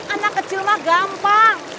anak kecil mah gampang